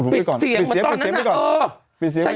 ปิดเสียงมาตอนนั้นนะเออ